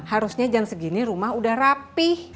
harusnya jam segini rumah udah rapih